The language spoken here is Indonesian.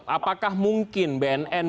apakah mungkin bnn